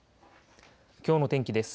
きょうの天気です。